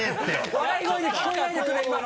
笑い声で聞こえないでくれ今の。